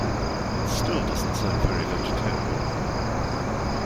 It still doesn’t sound very vegetarian.